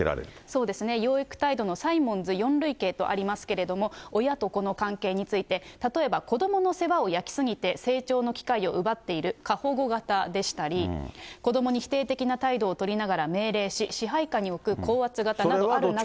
そうですね、養育態度のサイモンズ４類型とありますけれども、親と子の関係について、例えば子どもの世話を焼き過ぎて、成長の機会を奪っている過保護型でしたり、子どもに否定的な態度を取りながら命令し支配下に置く高圧型などがある中で。